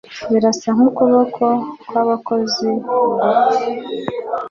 birasa nkukuboko kwabakozi gupfa